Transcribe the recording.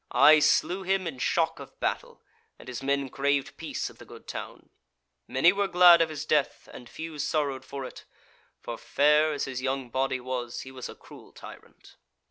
I slew him in shock of battle, and his men craved peace of the good town. Many were glad of his death, and few sorrowed for it; for, fair as his young body was, he was a cruel tyrant."